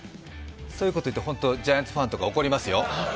そういうこと言うとジャイアンツファンとか怒りますよ。